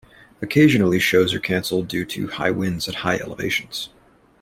Occasionally shows are canceled due to high winds at high elevations.